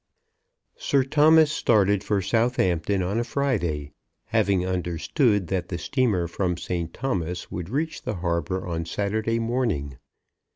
Sir Thomas started for Southampton on a Friday, having understood that the steamer from St. Thomas would reach the harbour on Saturday morning.